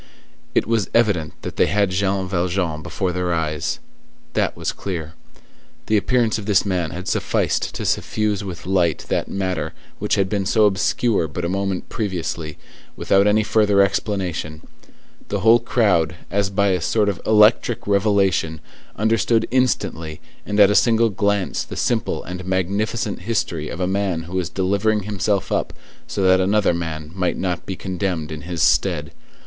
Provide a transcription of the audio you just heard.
It was evident that they had Jean Valjean before their eyes. That was clear. The appearance of this man had sufficed to suffuse with light that matter which had been so obscure but a moment previously, without any further explanation: the whole crowd, as by a sort of electric revelation, understood instantly and at a single glance the simple and magnificent history of a man who was delivering himself up so that another man might not be condemned in his stead.